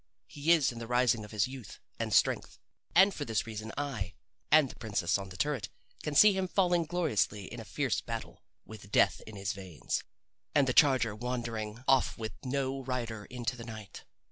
He is in the rising of his youth and strength. And for this reason I and the princess on the turret can see him falling gloriously in a fierce battle, with death in his veins, and the charger wandering off with no rider into the night.